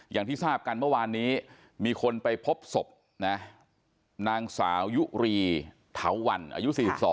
อย่างที่ทราบกันเมื่อวานนี้มีคนไปพบศพนะนางสาวยุรีเถาวันอายุ๔๒